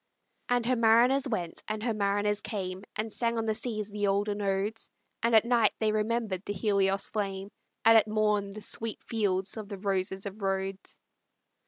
And her mariners went, and her mariners came, And sang on the seas the olden odes, And at night they remembered the Helios' flame, And at morn the sweet fields of the roses of Rhodes.